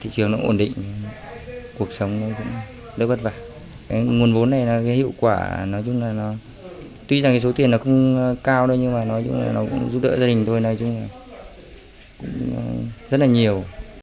cuộc sống cũng rất bất vả nguồn vốn này hiệu quả tuy số tiền không cao nhưng nó giúp đỡ gia đình tôi rất nhiều